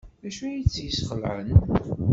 D acu ay tt-yesxelɛen?